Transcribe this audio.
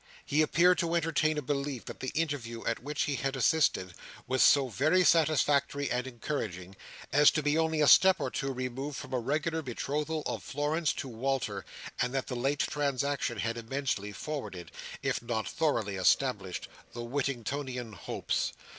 He appeared to entertain a belief that the interview at which he had assisted was so very satisfactory and encouraging, as to be only a step or two removed from a regular betrothal of Florence to Walter; and that the late transaction had immensely forwarded, if not thoroughly established, the Whittingtonian hopes.